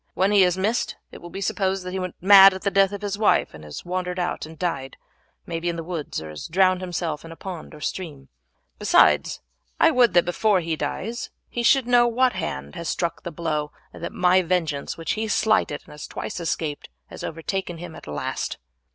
When he is missed it will be supposed that he went mad at the death of his wife, and has wandered out and died, may be in the woods, or has drowned himself in a pond or stream. Besides, I would that before he dies he should know what hand has struck the blow, and that my vengeance, which he slighted and has twice escaped, has overtaken him at last."